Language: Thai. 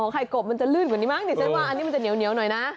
ไข่กบมันจะลื่นกว่านี้มั้งดิฉันว่าอันนี้มันจะเหนียวหน่อยนะ